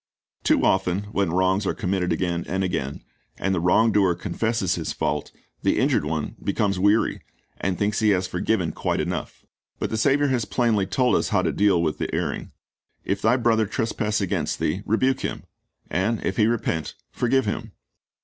Too often when wrongs are committed again and again, and the wrong doer con fesses his fault, the injured one becomes weary, and thinks he has forgiven quite enough. But the Saviour has plainly told us how to deal with the erring: "If thy brother trespass against thee, rebuke him; and if he repent, forgive him."'